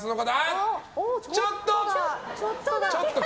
ちょっと！